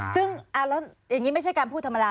ซึ่งอย่างนี้ไม่ใช่การพูดธรรมดาหรอคะ